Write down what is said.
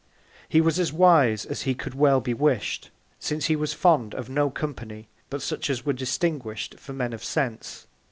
_ He was as wise as he could well be wish'd; since he was fond of no Company, but such as were distinguish'd for Men of Sense.